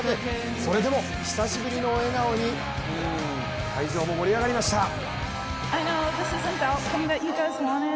それでも久しぶりの笑顔に会場も盛り上がりました。